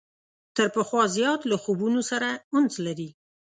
تر پخوا زیات له خوبونو سره انس لري.